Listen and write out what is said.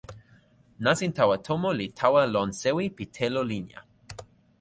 nasin tawa tomo li tawa lon sewi pi telo linja.